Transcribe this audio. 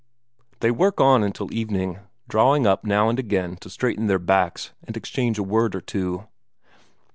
They work on until evening, drawing up now and again to straighten their backs, and exchange a word or so.